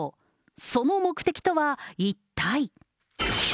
その目的とは一体。